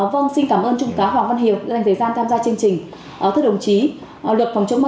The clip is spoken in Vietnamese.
vâng xin cảm ơn trung tá hoàng văn hiệp dành thời gian tham gia chương trình